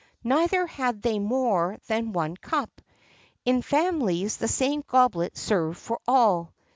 Neither had they more than one cup. In families the same goblet served for all.